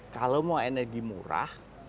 kalau mau energi murah